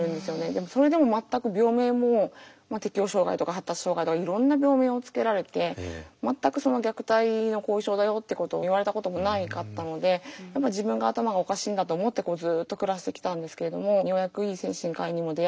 でもそれでも全く病名も適応障害とか発達障害とかいろんな病名を付けられて全く虐待の後遺症だよっていうことを言われたこともなかったのでやっぱ自分が頭がおかしいんだと思ってずっと暮らしてきたんですけれどもようやくいい精神科医にも出会いまして